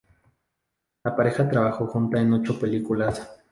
La pareja trabajó junta en ocho películas.